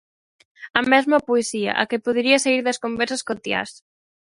A mesma poesía: a que podería saír das conversas cotiás.